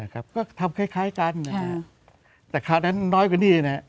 ก็ทำคล้ายกันแต่คราวนั้นน้อยกว่านี้